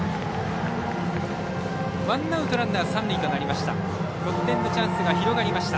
ワンアウトランナー、三塁となりました。